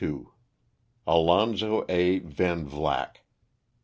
367 ALONZO A. VAN VLACK.